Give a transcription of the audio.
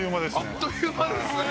あっという間ですね。